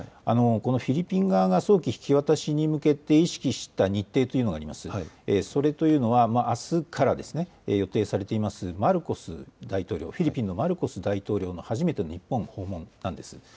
フィリピン側が早期引き渡しに向けて意識した日程というのはあすから予定されていますマルコス大統領、フィリピンのマルコス大統領の初めての日本訪問なんです。